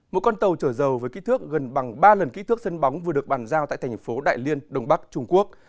một con tàu chở dầu với kích thước gần bằng ba lần kích thước sân bóng vừa được bàn giao tại thành phố đại liên đông bắc trung quốc